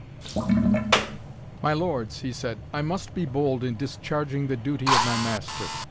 "My lords," he said, "I must be bold in discharging the duty of my Master.